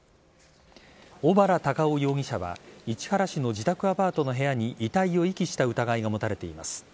小原隆夫容疑者は市原市の自宅アパートの部屋に遺体を遺棄した疑いが持たれています。